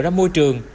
ra môi trường